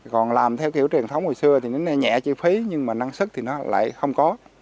còn làm theo kiểu truyền thống hồi xưa thì nó nhẹ chi phí nhưng mà năng sức thì nó lại không có